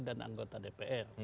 dan anggota dpr